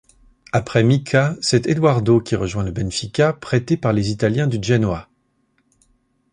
Après Mika, c'est Eduardo qui rejoint le Benfica, prêté par les Italiens du Genoa.